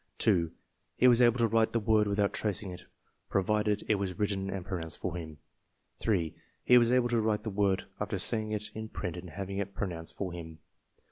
(2) He was able to write the word without tracing it provided it was written and pronounced for him. (3) He was able to write the word after seeing it in print and having it pronounced for him.